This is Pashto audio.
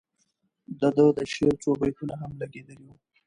د ده د شعر څو بیتونه هم لګیدلي وو.